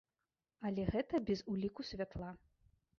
Але гэта без ўліку святла.